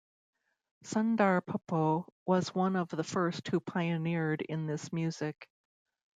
Sundar Popo was one of the first who pioneered in this music.